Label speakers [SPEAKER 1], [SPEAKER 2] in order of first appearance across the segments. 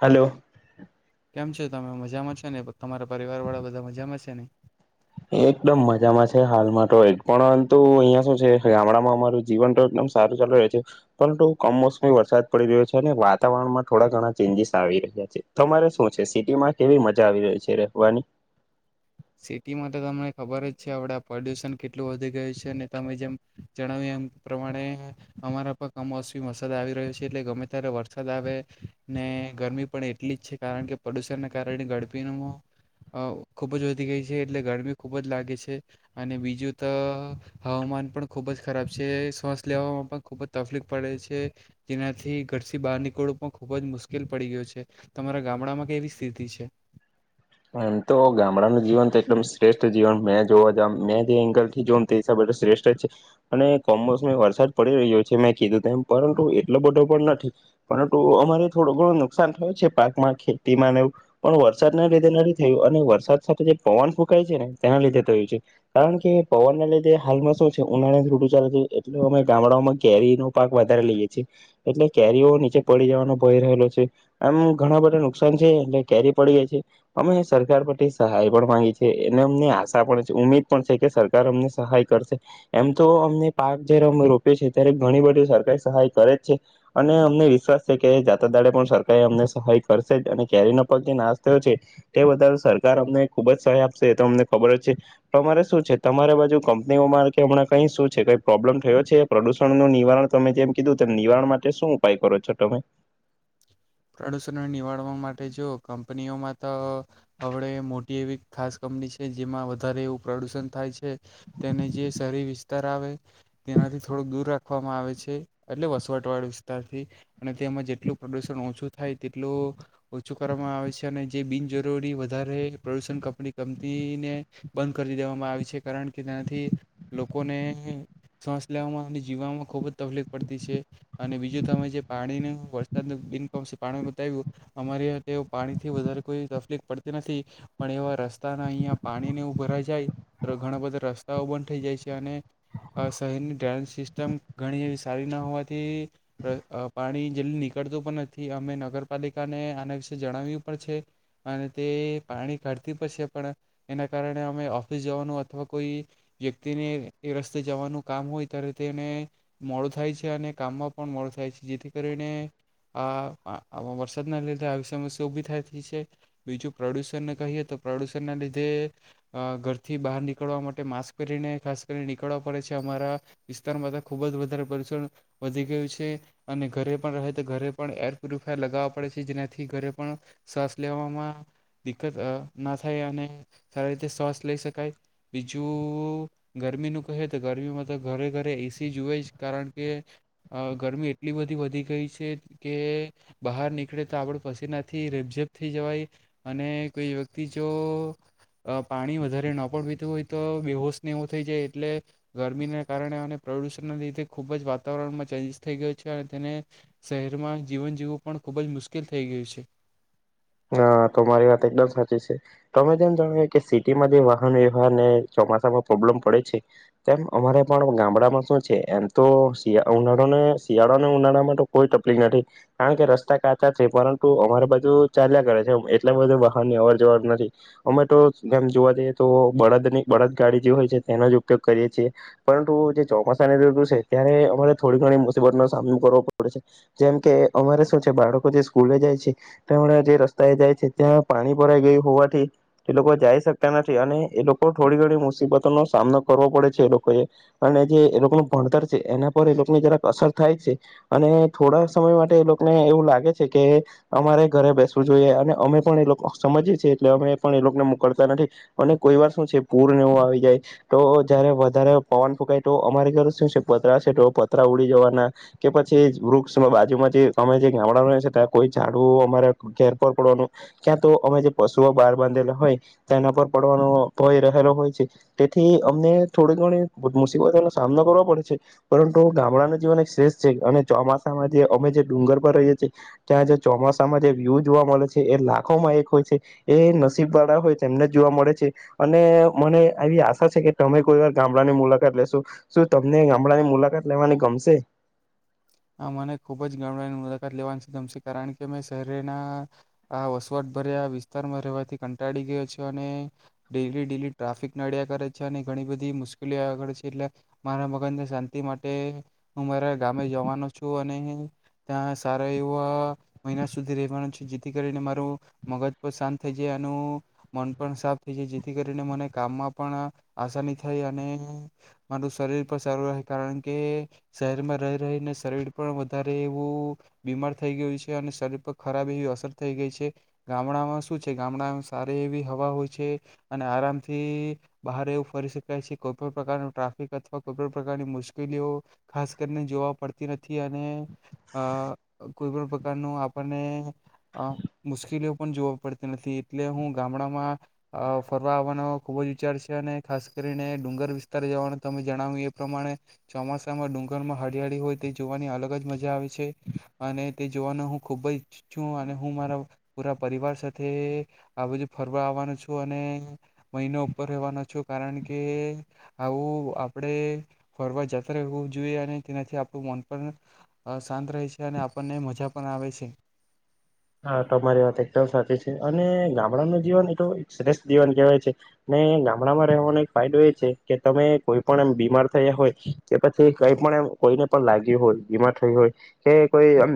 [SPEAKER 1] Hello
[SPEAKER 2] કેમ છે? તમે મજામાં છે ને? તમારા પરિવારવાળા બધા મજામાં છેને?
[SPEAKER 1] એકદમ મજામાં છે હાલમાં તો પણંતુ અહિયાં શું છે ગામડામાં અમારું જીવન તો એકદમ સારું ચાલુ રહે છે પરંતુ કમોસમી વરસાદ પડી રહ્યો છે અને વાતાવરણમાં થોડા ઘણા ચેન્જીસ આવી રહ્યા છે તમારે શું છે સિટીમાં કેવી મજા આવી રહી છે રહેવાની?
[SPEAKER 2] સિટીમાં તો તમને ખબર જ છે આપણા પ્રદુષણ કેટલું વધી ગયું છે અનેને તમે જેમ જણાવ્યું એમ પ્રમાણે અમારા પણ કમોસમી વરસાદ આવી રહ્યો છે એટલે ગમે ત્યારે વરસાદ આવે ને ગરમી પણ એટલી જ છે કારણ કે પ્રદુષણને કારણે ગડપીનું ખુબ જ ગઈ છે એટલે ગરમી ખુબ જ લાગે છે અને બીજું તો હવામાન પણ ખુબ જ ખરાબ છે શ્વાસ લેવામાં પણ ખુબ જ તફલીફ પડે છે જેનાથી ઘરથી બહાર નીકળવું પણ ખુબ જ મુશ્કેલ પડી ગયું છે તમારા ગામડામાં કેવી સ્થિતિ છે?
[SPEAKER 1] એમ તો ગામડાનું જીવન તો એકદમ શ્રેષ્ઠ જીવન મેં જોવા જામ મેં જે એંગલથી જો તે હિસાબે શ્રેષ્ઠ જ છે અને કમોસમી વરસાદ પડી રહ્યો છે મેં કીધું તેમ પરંતુ એટલો બધો પણ નથી પરંતુ અમારે થોડો ઘણું નુકસાન થયો છે પાકમાં ખેતીમાં ને એવું પણ વરસાદના લીધે નથી થયું વરસાદ સાથે જે પવન ફૂંકાય છે ને તેના લીધે થયું છે કારણ કે પવનના લીધે હાલમાં શું છે ઉનાળાની ઋતુ ચાલે છે એટલે અમે ગામડાઓમાં કેરી નો પાક વધારે લઈએ છીએ એટલે કેરીઓ નીચે પડી જવાનો ભય રહેલો છે એમ ઘણા બધા નુકસાન છે એટલે કેરી પડી જાય છે. અમે સરકાર પરથી સહાય પણ માંગી છે એને અમને આશા પણ છે ઉમીદ પણ છે કે સરકાર અમને સહાય કરશે એમ તો અમને પાક જયારે અમે રોપીએ છીએ ત્યારે ઘણી બધી સરકાર સહાય કરે જ છે અને અમને વિશ્વાસ છે કે જાતા દાળે પણ સરકાર અમને સહાય કરશે જ અને કેરીનો પાક જે નાશ થયો છે તે બદલ સરકાર અમને ખુબ જ સહાય આપશે એતો અમને ખબર જ છે તમારે શું છે તમારે બાજુ કંપનીઓમાં કે હમણાં કઈ શું છે કઈ પ્રોબ્લેમ થયો છે, પ્રદુષણ નું નિવારણ તમે જેમ કીધું નિવારણ માટે શું ઉપાય કરો છો તમે?
[SPEAKER 2] પ્રદુષણને નિવારવા માટે જો કંપનીઓમાં તો હવડે મોટી એવી ખાસ કંપની છે જેમાં વધારે એવું પ્રદુષણ થાય છે તેને જે શહેરી વિસ્તાર આવે તેનાથી થોડુંક દૂર રાખ રાખવામાં આવે છે એટલે વસવાટવાળા વિસ્તારથી અને તેમાં જેટલું પ્રદુષણ ઓછું ઓછું થાય તેટલું ઓછું કરવામાં આવે છે અને જે બિનજરૂરી વધારે પ્રદુષણ કંપની કંપનીને બંધ કરી દેવામાં આવે છે કારણ કે ત્યાંથી લોકોને શ્વાસ લેવામાં અને જીવવામાં ખૂબ જ તકલીફ પડતી છે અને બીજું તમે જે પાણી વરસાદનું બિન કમ પાણી બતાવ્યું અમારી તે પાણીથી વધારે કોઈ તફલીફ પડતી નથી પણ એવા રસ્તાના અહીંયા પાણીને એવું ભરાઈ જાય તો ઘણા બધા રસ્તાઓ બંધ થઈ જાય છે અને શહેરની ડ્રેનેજ સિસ્ટમ ઘણી એવી સારી ન હોવાથી અ પાણી જલ્દી નીકળતું પણ થી અમે નગરપાલિકાને આના વિશે જણાવ્યું પણ છે અને તે પાણી કાઢતી પણશે પણ એના કારણે અમે ઓફિસ જવાનું અથવા કોઈ વ્યક્તિને એ રસ્તે જવાનું કામ હોય ત્યારે તેને મોડું થાય છે અને કામમાં પણ મોડું થાય છે જેથી કરીને આ વરસાદના લીધે આવી સમસ્યા ઉભી થાતી છે બીજું પ્રદુષણને કહીએ તો પ્રદુષણના લીધે અ ઘરથી બહાર નીકળવા માટે માસ્ક પહેરીને ખાસ કરીને નીકળવા પડે છે અમારા વિસ્તારમાં તો ખૂબ જ વધારે પ્રદુષણ વધી ગયું છે અને ઘરે પણ રહે તો ઘરે પણ એર પ્યુરિફાયર લગાવવા પડે છે જેનાથી ઘરે પણ શ્વાસ લેવામાં દિકકત અ ના થાય અને સારી રીતે શ્વાસ લઈ શકાય બીજું ગરમીનું કહે તો ગરમીમાં તો ઘરે ઘરે એસી જુએ જ કારણ કે અ ગરમી એટલી બધી વધી ગઈ છે કે બહાર નીકળે તો આપડ પસીનાથી રેપઝેપ થઈ જવાય અને કોઈ વ્યક્તિ જો પાણી વધારે ન પણ પીતું હોય તો બેહોશને એવો થઈ જાય એટલે ગરમીના કારણે અને પ્રદુષણના લીધે ખૂબ જ વાતાવરણમાં ચેન્જીસ થઈ ગયો છે અને તેને શહેર માં જીવન જીવવું પણ ખુબ જ મુશ્કેલ થઈ ગયું છે.
[SPEAKER 1] હ તો મારી વાત એકદમ સાચી છે તમે જેમ જાણાવ કે સિટીમાં જે વાહન વ્યવહારને ચોમાસામાં પ્રોબ્લેમ પડે છે તેમ અમારે પણ ગામડામાં શું છે એમ તો ઉનાળાને શિયાળોને ઉનાળામાં તો કોઈ તપલીક નથી કારણ કે રસ્તા કાચા છે પરંતુ અમારે બાજુ ચાલ્યા કરે છે એટલા બધું વાહનની અવર જવર નથી અમે તો એમ જોવા જઈએ તો બળદની બળદ ગાડી જે હોય છે તેનો જ ઉપયોગ કરીએ છીએ પરંતુ જે ચોમાસાની ત્રતુ છે ત્યારે અમારે થોડી ઘણી મુસીબતનો સામનો કરવો પડે છે જેમ કે અમારે શું છે બાળકો જે સ્કૂલે જાય છે તેમણે જે રસ્તા એ જાય છે ત્યાં પાણી ભરાઈ ગયું હોવાથી તે લોકો જાઈ શકતા નથી અને એ લોકો થોડી ઘણી મુસીબતોનો સામનો કરવો પડે છે એ લોકોએ અને જે એ લોકોનું ભણતર છે એના પર એ લોકની જરાક અસર થાય છે અને થોડા સમય માટે એ લોકને એવું લાગે છે કે અમારે ઘરે બેસવું જોઈએ અને અમે પણ એ લોકો સમજીએ છીએ એટલે અમે પણ એ લોકોને મોકલતા નથી અને કોઈ વાર શું છે પૂર ને એવું આવી જાય તો જયારે વધારે પવન ફૂંકાય તો અમારે ઘરે શું છે પતરા છે તો પતરા ઉડી જવાના કે પછી વૃક્ષ બાજુમાં જે અમે જે ગામડામાં રહીએ છીએ ત્યાં કોઈ ઝાડવું અમારા ઘેર પર પડવાનું ક્યાં તો અમે જે પશુઓ બાહર બાંધેલા હોય તેના પર પડવાનો ભય રહેલો હોય છે તેથી અમને થોડી ઘણી મુશીબતોનો સામનો કરવો પડે છે પરંતુ ગામડાનું જીવન એક શ્રેષ્ઠ છે અને ચોમાસામાં જે અમે જે ડુંગર પર રહીએ છીએ ત્યાં ચોમાસા માં જે વ્યુ જોવા મળે છે એ લાખોમાં એક હોય છે એ નસીબ વાળા હોય તેમને જોવા મળે છે અને મને આવી આશા છે કે તમે કોઈ વાર ગામડાની મુલાકાત લેશો શું તમને ગામડાની મુલાકાત લેવાની ગમશે?
[SPEAKER 2] આ મને ખુબ જ ગામડાની મુલાકાત લેવાની ગમશે કારણ કે મેં શહેરના આ વસવાટભર્યા વિસ્તારમાં રહેવાથી કંટાળી ગયો છે અને ડેલી ડેલી ટ્રાફિક નડિયા કરે છે અને ઘણી બધી મુશ્કેલી આગળ છે એટલે મારા મગજને શાંતિ માટે હું મારા ગામે જવા છું અને ત્યાં સારા એવા મહિના સુધી રહેવાનો છું જેથી કરીને મારું મગજ પણ શાંત થઈ જાય અને હું મન પણ સાફ થઈ જાય જેથી કરીને મને કામમાં પણ આસાની થાય અને મારું શરીર પણ સારું રહે કારણ કે શહેરમાં રહી રહીને શરીર પણ વધારે એવું બીમાર થઈ ગયું છે અને શરીર પર ખરાબ એવી અસર થઈ ગઈ છે, ગામડામાં શું છે? ગામડામાં સારી એવી હવા હોય છે અને આરામથી બહાર એવું ફરી શકાય છે, કોઈ પણ પ્રકારનું ટ્રાફિક અથવા કોઈ પણ પ્રકારની મુશ્કેલીઓ ખાસ કરીને જોવા પડ તી નથી અને અ કોઈ પણ પ્રકારનું આપણને અ મુશ્કેલીઓ પણ જોવા પડતી નથી એટલે હું ગામડામાં અ ફરવા આવવાનો ખુબ જ વિચાર છે અને ખાસ કરીને ડુંગર વિસ્તાર જવાનું તમે જણાવ્યું એ પ્રમાણે ચોમાસામાં ડુંગરમાં હરિયાળી હોય તે જોવાની અલગ જ મજા આવે છે અને તે જોવાનો હું ખુબ જ ઈચ્છ છું અને હું મારા પૂરા પરિવાર સાથે આ બધુ ફરવા આવવાનો છું અને મહિનો ઉપર રહેવાનો છું કારણ કે આવું આપડે ફરવા જાતા રહેવું જોઈએ અને તેનાથી મન પણ શાંત રહે છે અને આપણને મજા પણ આવે છે.
[SPEAKER 1] હા તમારી વાત એકદમ સાચી છે અને ગામડાનું જીવન એ તો એક શ્રેષ્ઠ જીવન કહેવાય છે ને ગામડામાં રહેવાનો એક ફાયદો એ છે કે તમે કોઈ પણ એમ બીમાર થયા હોય કે પછી કઈ પણ એમ કોઈને પણ લાગ્યું હોય, બીમાર થયું હોય કે કોઈ એમ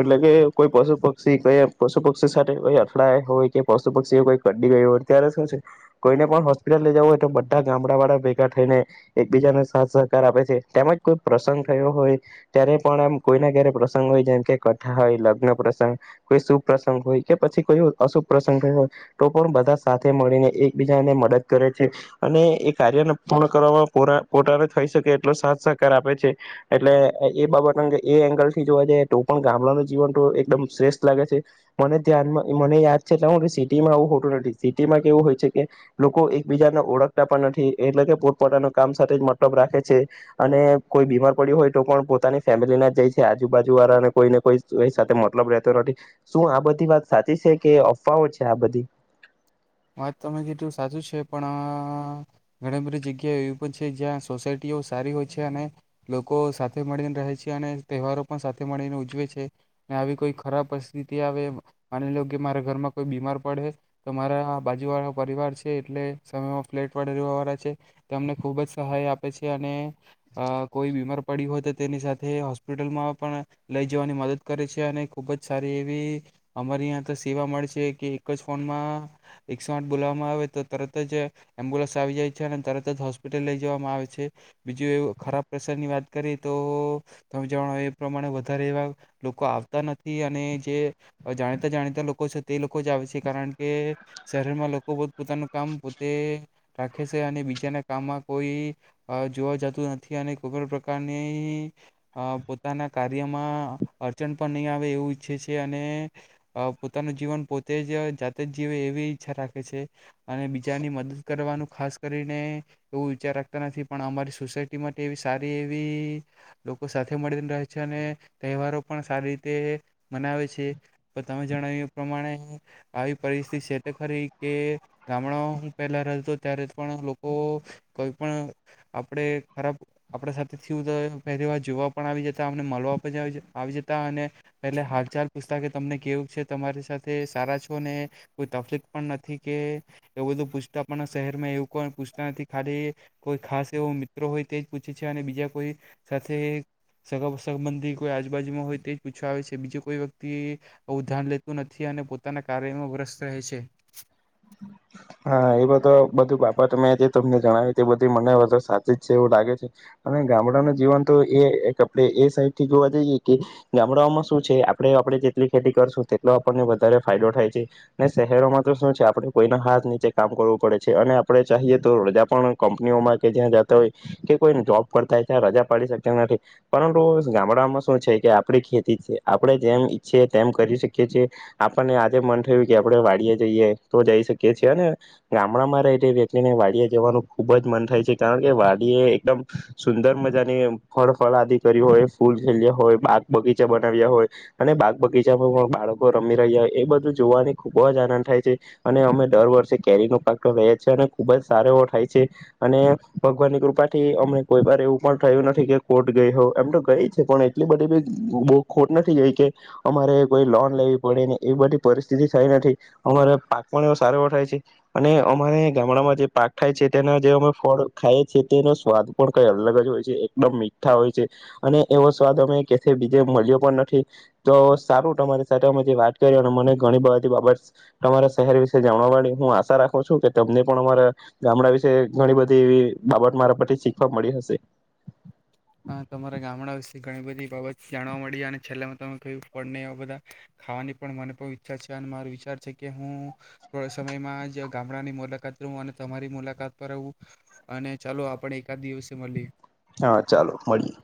[SPEAKER 1] એટલે કે કોઈ પશુ પ ક્ષી પશુ પક્ષી સાથે કોઈ અથડાયા હોય કે પશુ પક્ષી કોઈ કડ્ડી ગયું હોય ત્યારે શું છે કોઈને પણ હોસ્પિટલ લઈ જવું હોય તો બધા ગામડાવાળા ભેગા થઈને એકબીજાને સાથ સહકાર આપે છે તેમજ કોઈ પ્રસંગ થયો હોય ત્યારે પણ એમ કોઈના ઘેરે પ્રસંગ હોય જેમ કે કથા હોય, લગ્ન પ્રસંગ કોઈ શુભ પ્રંસગ હોય કે પછી કોઈ અશુભ પ્રસંગ હોય તો પણ બધા સાથે મળીને એકબીજાને મદદ કરે છે અને એ કાર્યને પૂર્ણ કરવામાં પોર પોતાનો થઈ શકે એટલો સાથ સહકાર આપે છે એટલે એ બાબત અંગ એ એંગલ થી જોવા જાયે તો પણ ગામડાનું જીવન તો એકદમ શ્રેષ્ઠ લાગે છે મને ધ્યાનમાં મને યાદ છે એટલે સિટીમાં આવું હોતું નથી સિટીમાં કેવું હોય છે કે લોકો એકબીજાને ઓળખતા પણ નથી એટલે કે પોતપોતાનું કામ સાથે જ મતલબ રાખે છે અને કોઈ બીમાર પડ્યું હોય તો પણ પોતાની ફેમિલીના જાય છે આજુબાજુ વાળા અને કોઈને કોઈ સાથે મતલબ રહેતો નથી. શું આ બધી વાત સાચી છે કે અફવાઓ છે આ બધી?
[SPEAKER 2] વાત તમે કીધું સાચું છે પણ ઘણી બધી જગ્યા એવી પણ છે જ્યાં સોસાયટીઓ સારી હોય છે અને લોકો સાથે મળીને રહે છે અને તહેવારો પણ સાથે મળીને ઉજવે છે અને આવી કોઈ ખરાબ પરિસ્થિતિ આવે માની લો કે મારા ઘરમાં કોઈ બીમાર પડે તો મારા બાજુ વાળો પરિવાર છે એટલે સમયમાં ફ્લેટ વાળે રહેવાવાળા છે તો અમને ખૂબ જ સહાય આપે છે અને અ કોઈ બીમાર પડી હોય તો તેની સાથે હોસ્પિટલમાં પણ લઈ જવાની મદદ કરે છે અને ખૂબ જ સારી એવી અમારી અયાં તો સેવા મળે છે કે એક જ ફોનમાં એકસો આઠ બોલવામાં આવે તો તરત જ એમ્બ્યુલન્સ આવી જાય છે અને તરત જ હોસ્પિટલ લઈ જવામાં આવે છે બીજું એવું ખરાબ પ્રસંગ ની વાત કરી તો તમે જાણો એ પ્રમાણે વધારે એવા લોકો આવતા નથી અને જે જાણીતા જાણીતા લોકો છે તે લોકો જ આવે છે કારણ કે શહેરમાં લોકો પોતપોતાનું કામ પોતે રાખે છે અને બીજાના કામમાં કોઈ અ જોવા જતું નથી અને કોઈ પણ પ્રકારની અ પોતાના કાર્યમાં અડચણ પણ નહીં આવે એવું ઈચ્છે છે અને પોતાનું જીવન પોતે જ જાતે જ જીવે એવી ઈચ્છા રાખે છે અને બીજાની મદદ કરવાનું ખાસ કરીને એવું વિચાર રાખતા નથી પણ અમારી સોસાયટી માટે એવી સારી એવી લોકો સાથે મળીને રહે છે અને તહેવારો પણ સારી રીતે મનાવે છે પણ તમે જણાવ્યું એ પ્રમાણે આવી પરિસ્થિતિ ખરી કે ગામડામાં હું પહેલા રહેતો ત્યારે પણ લોકો કોઈ પણ આપણે ખરાબ આપણા સાથે થયું તો પહેલી વાર જોવા પણ આવી જતા અમને મલવા આવી જતા અને પહેલે હાલચાલ પૂછતા કે તમને કેવું છે તમારી સાથે સારા છો ને કોઈ તફલી પણ નથી કે એવું બધું પૂછતા પણ શહેરમાં એવું પણ પૂછતા નથી ખાલી કોઈ ખાસ એવો મિત્રો હોય તેજ પૂછે છે અને બીજા કોઈ સાથે સગા સબંધી કોઈ આજુબાજુમાં હોય તે જ પૂછવા આવે છે બીજું કોઈ વ્યક્તિ આવું ધ્યાન લેતું નથી અને પોતાના કાર્યમાં વસ્ત રહે છે.
[SPEAKER 1] હા એ બધો બધું બાપત મેં જે તમને જણાવ્યું તે બધી મને બધી સાચી જ છે એવું લાગે છે અને ગામડાનું જીવન તો એ એક આપણે એ સાઈડ થી જોવા જઈએ કે ગામડાઓમાં શું છે આપણે આપણે જેટલી ખેતી કરશું તેટલો આપણને વધારે ફાયદો થાય છે ને શહેરોમાં તો શું છે આપડે કોઈના હાથ નીચે કામ કરવું પડે છે અને આપણે ચાહિએ તો રજા પણ કંપનીઓમાં કે જ્યાં જતા હોય કે કોઈ જોબ કરતા હોય ત્યાં રજા પાડી શકતા નથી પરંતુ ગામડામાં શું છે કે આપડી ખેતી છે આપણે જેમ ઈચ્છીએ તેમ કરી શકીએ છએ આપણને આજે મન થયું કે આપણે વાડીએ જઈએ. તો જઈ શકી છે. અને ગામડામાં રહે તે વ્યક્તિને વાડીયે જવાનું ખૂબ જ મન થાય છે કારણ કે વાડી એ એકદમ સુંદર મજાની ફળ ફળ આદિ કરી હોય ફૂલ ખેલ્યા હોય બાગ બગીચા બનાવ્યા હોય અને બાગ બગીચામાં પણ બાળકો રમી રહ્યા હોય એ બધું જોવાને ખુબ જ આનંદ થાય છે. અને અમે દર વર્ષે કેરીનો પાક તો લેએ છે અને ખુબ જ સારો એવો થાય છે અને ભગવાનની કૃપા થી અમે કોઈ વાર એવું પણ થયું નથી કે ખોટ ગઈ હો એમ તો ગઈ છે પણ એટલી બધી બી બો ખોટ નથી ગઈ કે અમારે કોઈ લોન લેવી પડે ને એ બધી પરિસ્થિતિ થઈ નથી અમારા પાક પણ એવ સાર એવો થાય છે અને અમારે ગામડામાં જે પાક થાય છે તેના જે અમે ફળ ખાયએ છે તેનો સ્વાદ પણ કઈ અલગ જ હોય છે એકદમ મીઠા હોય છે અને એવો સ્વાદ અમે કેથે બીજે મળ્યો પણ નથી તો સારું તમારી સાથે અમે જે વાત કરી અને મને ઘણી બધી બાબત તમારા શહેર વિશે જાણવાળ હું આશા રાખું છું કે તમને પણ અમારા ગામડા વિશે ઘણી બધી એવી બાબત મારા પરથી શીખવા મળી હશે.
[SPEAKER 2] તમારા ગામડા વિશે ઘણી બધી બાબત જાણવા મળી અને છેલ્લા તમે કહ્યું પણને બધા ખાવાની પણ મને પણ ઈચ્છા છે અને મારો વિચાર છે કે હું થોડા સમયમાં જ ગામડાની મુલાકાત લું અને તમારી મુલાકાત પર આવું અને ચાલો આપડે એકાદ દિવસે મળીએ.
[SPEAKER 1] હા ચાલો મળીએ.